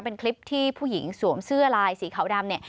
เป็นคลิปที่ผู้หญิงสวมเสื้อลายสีขาวดำเนี่ย